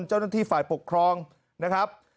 เจ้าหน้าที่ฝ่ายปกครองนะครับ